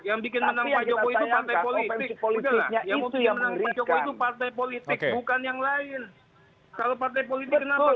yang bikin menang pak jokowi itu partai politik